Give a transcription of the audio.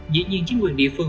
dĩ nhiên chính quyền địa phương